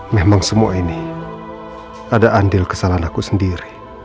memang semua ini ada andil kesalahan aku sendiri